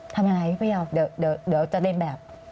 ทำอย่างไรพี่พระเยาเดี๋ยวจะเรียนแบบ